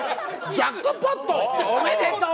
ジャックポット、おめでとう。